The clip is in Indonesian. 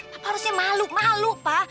papa harusnya malu malu pa